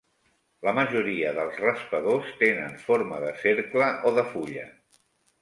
La majoria dels raspadors tenen forma de cercle o de fulla.